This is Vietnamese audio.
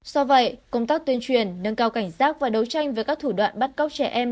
do vậy công tác tuyên truyền nâng cao cảnh giác và đấu tranh với các thủ đoạn bắt cóc trẻ em